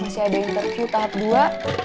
masih ada interview tahap dua